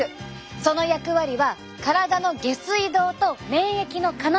その役割は体の下水道と免疫の要！